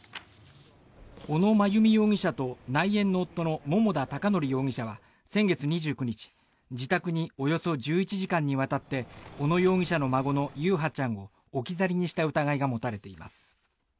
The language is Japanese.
小野真由美容疑者と内縁の夫の桃田貴徳容疑者は先月２９日自宅におよそ１１時間にわたって小野容疑者の孫の優陽ちゃんを置き去りにした疑いが持たれています。